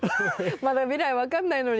まだ未来分かんないのに。